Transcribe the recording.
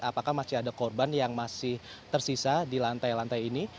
apakah masih ada korban yang masih tersisa di lantai lantai ini